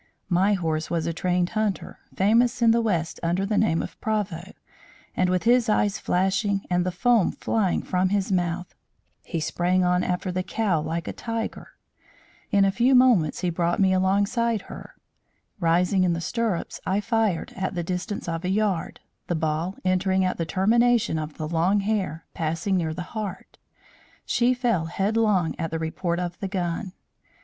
"My horse was a trained hunter, famous in the west under the name of Proveau, and with his eyes flashing and the foam flying from his mouth, he sprang on after the cow like a tiger. In a few moments he brought me alongside of her. Rising in the stirrups, I fired, at the distance of a yard, the ball entering at the termination of the long hair, passing near the heart. She fell headlong at the report of the gun.